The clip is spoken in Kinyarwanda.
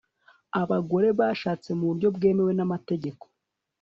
abagore bashatse mu buryo bwemewe n'amategeko